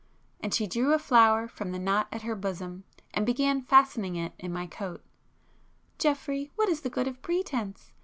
and she drew a flower from the knot at her bosom, and began fastening it in my coat—"Geoffrey what is the good of pretence?